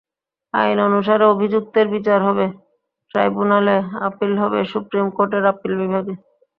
আইন অনুসারে অভিযুক্তের বিচার হবে ট্রাইব্যুনালে, আপিল হবে সুপ্রিম কোর্টের আপিল বিভাগে।